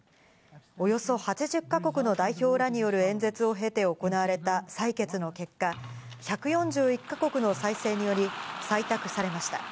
およそ８０か国の代表らによる演説を経て行われた採決の結果、１４１か国の賛成により採択されました。